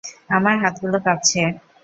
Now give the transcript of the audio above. আমার হাতগুলো কাঁপছে!